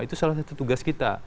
itu salah satu tugas kita